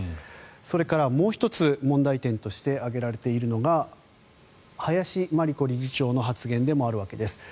それから、もう１つ問題点として挙げられているのが林真理子理事長の発言でもあるわけです。